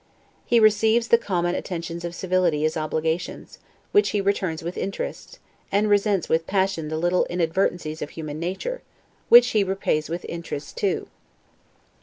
He receives the common attentions of civility as obligations, which he returns with interest; and resents with passion the little inadvertencies of human nature, which he repays with interest too.